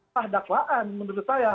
tak dakwaan menurut saya